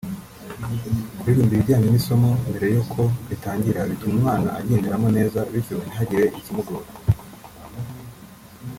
Kuririmba ibijyanye n’isomo mbere y’uko ritangira bituma umwana aryinjiramo neza bityo ntihagire ikimugora